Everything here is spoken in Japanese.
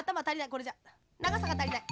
これじゃながさがたりない。